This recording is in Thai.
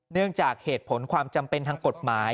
เนื่องจากเหตุผลความจำเป็นทางกฎหมาย